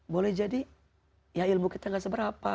boleh jadi ya ilmu kita gak seberapa